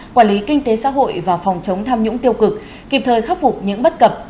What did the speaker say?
quản lý kinh tế xã hội và phòng chống tham nhũng tiêu cực kịp thời khắc phục những bất cập